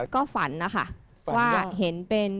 ก็ฝันนะคะว่าเห็นเป็น